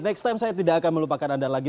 next time saya tidak akan melupakan anda lagi